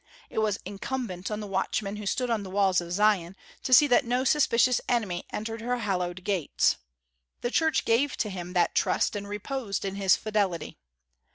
It was incumbent on the watchman who stood on the walls of Zion, to see that no suspicious enemy entered her hallowed gates. The Church gave to him that trust, and reposed in his fidelity.